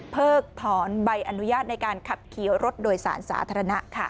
เพิกถอนใบอนุญาตในการขับขี่รถโดยสารสาธารณะค่ะ